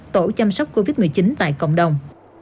tổ chăm sóc covid một mươi chín tại cộng đồng